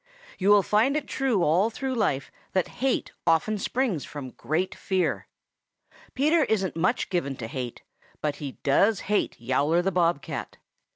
You will find it true all through life that hate often springs from great fear. Peter isn't much given to hate, but he does hate Yowler the Bob cat.